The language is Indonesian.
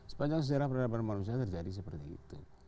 sepanjang sejarah peradaban manusia terjadi seperti itu